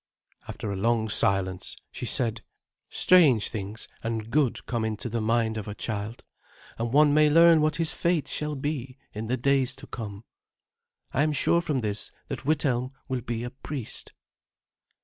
After a long silence she said, "Strange things and good come into the mind of a child, and one may learn what his fate shall be in the days to come. I am sure from this that Withelm will be a priest."